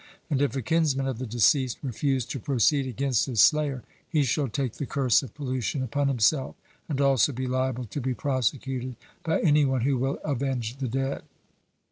And if a kinsman of the deceased refuse to proceed against his slayer, he shall take the curse of pollution upon himself, and also be liable to be prosecuted by any one who will avenge the dead.